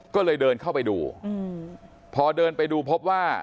ก็เลยเดินเข้าไปดูพอเดินไปดูพบว่า